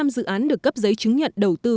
dự án được cấp giấy chứng nhận đầu tư